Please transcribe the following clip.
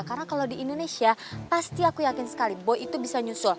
karena kalau di indonesia pasti aku yakin sekali boy itu bisa nyusul